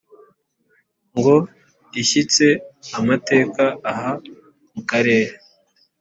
ngo ishyitse amatako aha mu karere